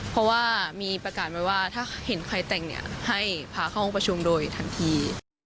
เพราะว่ามีประกาศไว้ว่าถ้าเห็นใครแต่งเนี่ยให้พาเข้าห้องประชุมโดยทันที